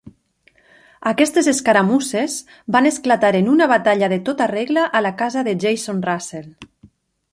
Aquestes escaramusses van esclatar en una batalla de tota regla a la casa de Jason Russell.